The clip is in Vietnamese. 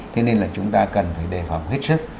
thế nên là chúng ta cần phải đề phòng hết sức